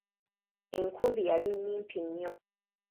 Enkumbi yali nnyimpi nnyo.